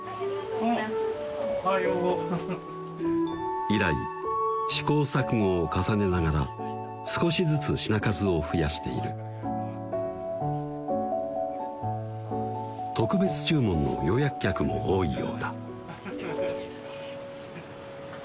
おはよう以来試行錯誤を重ねながら少しずつ品数を増やしている特別注文の予約客も多いようだあっ写真を撮っていいですか？